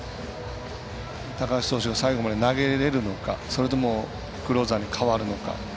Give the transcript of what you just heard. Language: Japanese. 高橋投手が最後まで投げられるのかそれともクローザーに代わるのか。